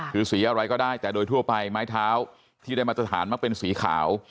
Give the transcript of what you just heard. คือสีอะไรก็ได้แต่โดยทั่วไปไม้เท้าที่ได้มาตรฐานมักเป็นสีขาว